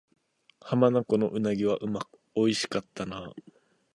浜名湖の鰻は美味しかったな